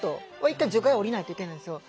一回樹海へ下りないといけないんですよ。